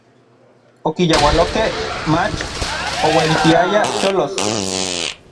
Okiyaualokej, mach ouelitiaya cholos.